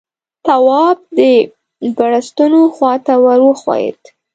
تواب د بړستنو خواته ور وښويېد.